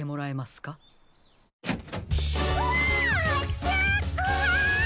うわすっごい！